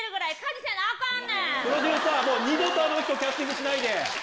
プロデューサーもう二度とあの人キャスティングしないで。